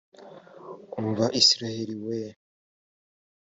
umva isirayeli we!